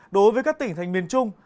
đối với các tỉnh thành miền trung